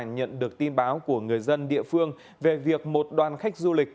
nhận được tin báo của người dân địa phương về việc một đoàn khách du lịch